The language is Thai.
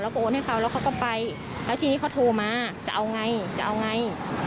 ก็โอนให้เขาแล้วเขาก็ไปแล้วทีนี้เขาโทรมาจะเอาไงจะเอาไง